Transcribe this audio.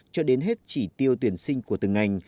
cho đến hết chỉ tiêu tuyển sinh của từng ngành